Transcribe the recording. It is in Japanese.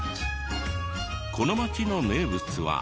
この町の名物は。